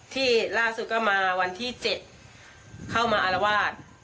ที่ล่าสุดก็มาวันที่๗เข้ามาอารวาส